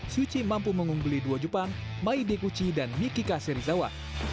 syuchi mampu mengungguli dua jepang maide kuchi dan mikika serizawa